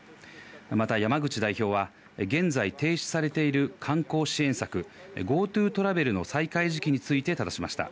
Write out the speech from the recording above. また山口代表は現在停止されている観光支援策ＧｏＴｏトラベルの再開時期について質しました。